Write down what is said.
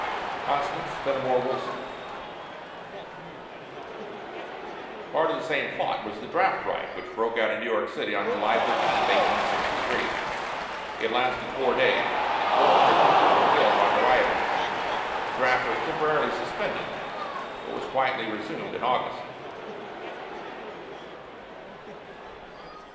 CONSTANCE FENIMORE WOOLSON. Part of the same plot was the draft riot which broke out in New York City on July 13, 1863. It lasted four days, and four hundred people were killed by the rioters. The draft was temporarily suspended, but was quietly resumed in August.